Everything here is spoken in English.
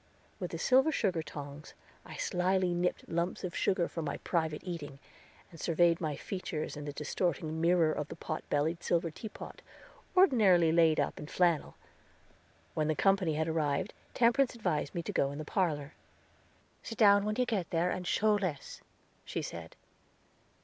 With the silver sugar tongs I slyly nipped lumps of sugar for my private eating, and surveyed my features in the distorting mirror of the pot bellied silver teapot, ordinarily laid up in flannel. When the company had arrived, Temperance advised me to go in the parlor. "Sit down, when you get there, and show less," she said.